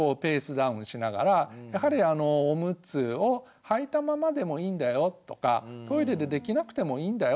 ダウンしながらやはりオムツをはいたままでもいいんだよとかトイレでできなくてもいいんだよ